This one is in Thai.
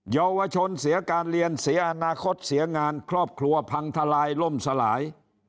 เยาวชนเสียการเรียนเสียอนาคตเสียงานครอบครัวพังทลายล่มสลาย